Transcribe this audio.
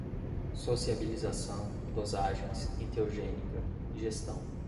sociabilização, dosagens, enteogênica, ingestão